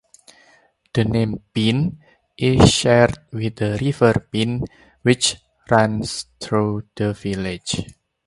The name "Pinn" is shared with the River Pinn, which runs through the village.